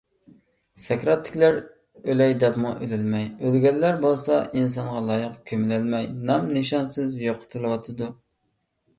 سەكراتتىكىلەر ئۆلەي دەپمۇ ئۆلەلمەي، ئۆلگەنلەر بولسا، ئىنسانغا لايىق كۆمۈلەلمەي نام - نىشانسىز يوقىتىلىۋاتىدۇ.